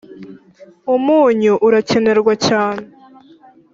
umunyu urakenerwa cyane